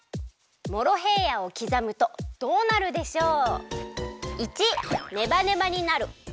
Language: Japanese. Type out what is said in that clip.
モロヘイヤをきざむとどうなるでしょう？